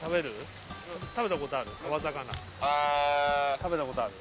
食べたことある？